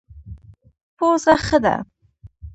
پوزه ښه ده.